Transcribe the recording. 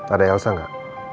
ada elsa enggak